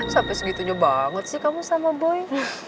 sampai segitunya banget sih kamu sama boy